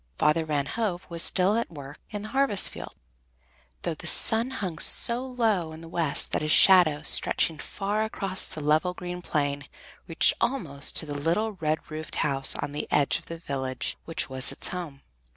Father Van Hove was still at work in the harvest field, though the sun hung so low in the west that his shadow, stretching far across the level, green plain, reached almost to the little red roofed house on the edge of the village which was its home.